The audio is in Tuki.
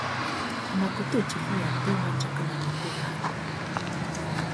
A mà kutu tiffiya atōh i mà tsaka nà nutu râā.